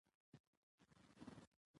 افغانستان د دښتې د پلوه ځانته ځانګړتیا لري.